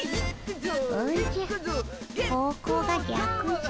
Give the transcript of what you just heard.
おじゃ方向が逆じゃ。